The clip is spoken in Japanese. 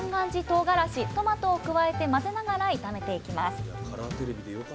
とうがらしトマトを加えて混ぜながら炒めていきます